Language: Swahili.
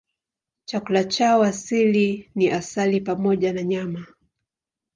Chakula chao asili ni asali pamoja na nyama.